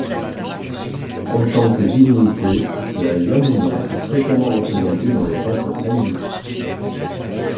En tant que divinité, la Yamunâ est fréquemment représentée dans les temples hindous.